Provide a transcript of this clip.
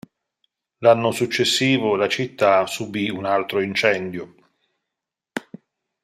L'anno successivo la città subì un altro incendio.